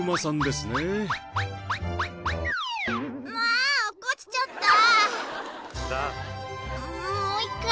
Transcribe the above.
ああ落っこちちゃった！